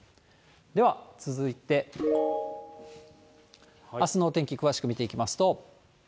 では、続いてあすのお天気、詳しく見ていきますと。